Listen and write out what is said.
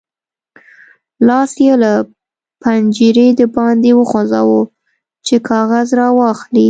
لاس یې له پنجرې د باندې وغځاوو چې کاغذ راواخلي.